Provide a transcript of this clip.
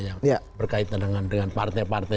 yang berkaitan dengan partai partai